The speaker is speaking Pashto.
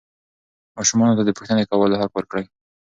ماشومانو ته د پوښتنې کولو حق ورکړئ.